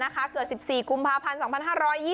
เกิด๑๔กุมภาพันธ์๒๕๒๒